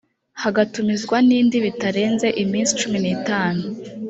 hagatumizwa indi bitarenze iminsi cumi n’itanu